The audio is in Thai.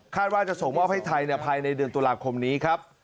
ว่าจะส่งมอบให้ไทยภายในเดือนตุลาคมนี้ครับ